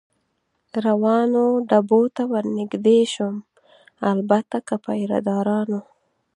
روانو ډبو ته ور نږدې شوم، البته که پیره دارانو.